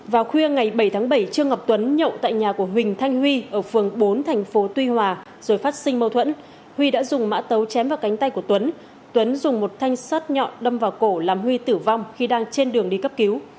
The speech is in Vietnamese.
vào khuya ngày bảy tháng bảy trương ngọc tuấn nhậu tại nhà của huỳnh thanh huy ở phường bốn thành phố tuy hòa rồi phát sinh mâu thuẫn huy đã dùng mã tấu chém vào cánh tay của tuấn tuấn dùng một thanh sắt nhọn đâm vào cổ làm huy tử vong khi đang trên đường đi cấp cứu